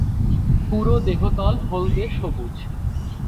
পুরো দেহতল হলদে-সবুজ।